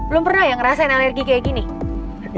belum pernah ya ngerasain alergi kayak gini